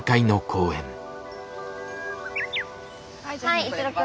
はい一郎君。